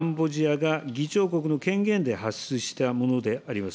カンボジアが議長国の権限で発出したものであります。